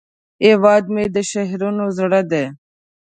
هیواد مې د شعرونو زړه دی